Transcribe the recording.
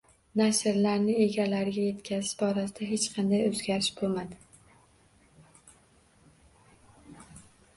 Nashrlarni egalariga yetkazish borasida hech qanday oʻzgarish boʻlmadi.